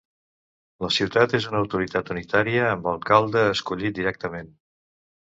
La ciutat és una autoritat unitària amb alcalde escollit directament.